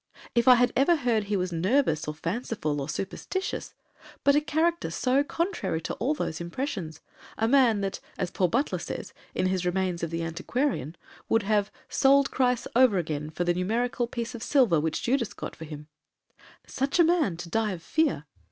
If I had ever heard he was nervous, or fanciful, or superstitious, but a character so contrary to all these impressions;—a man that, as poor Butler says, in his Remains, of the Antiquarian, would have 'sold Christ over again for the numerical piece of silver which Judas got for him,'—such a man to die of fear!